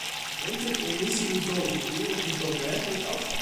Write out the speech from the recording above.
Neemt het emissieniveau op wereldniveau werkelijk af?